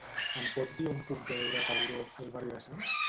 Em pot dir on puc veure "Tauró" al barri de Sants?